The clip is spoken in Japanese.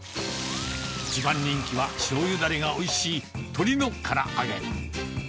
一番人気は、しょうゆだれがおいしい鶏のから揚げ。